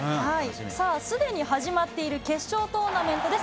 さあ、すでに始まっている決勝トーナメントです。